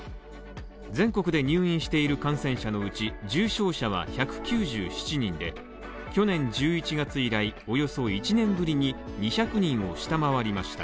全国で入院してる感染者のうち重症者は１９７人で去年１１月以来およそ１年ぶりに２００人を下回りました。